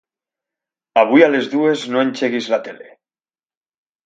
Avui a les dues no engeguis la tele.